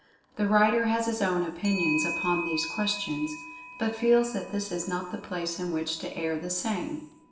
The writer has his own opinions upon these questions, but feels that this is not the place in which to air the same.